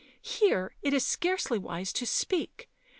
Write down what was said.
Here it is scarcely wise to speak.